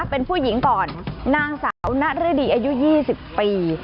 เป็นผู้หญิงก่อนนางสาวนฤดีอายุ๒๐ปี